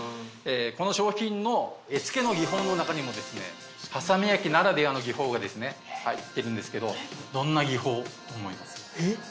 この商品の絵付けの技法の中にもですね波佐見焼ならではの技法が入ってるんですけどどんな技法と思います？